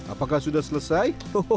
apakah sudah selesai